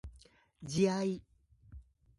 自愛